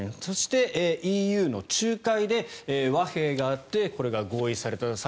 そしてＥＵの仲介で和平があってこれが合意された。